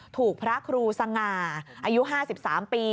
ถูกพระครูสง่าอายุ๕๓ปี